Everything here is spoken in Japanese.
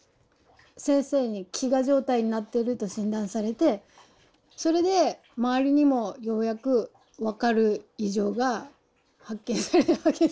先生に飢餓状態になってると診断されてそれで周りにもようやく分かる異常が発見されたわけです。